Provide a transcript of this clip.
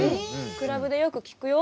クラブでよく聴くよ。